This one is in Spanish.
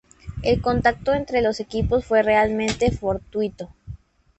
El contacto entre los equipos fue realmente fortuito.